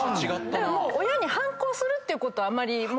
だから親に反抗するっていうことをあまりもう。